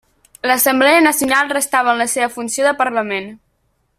L'Assemblea Nacional restava en la seva funció de parlament.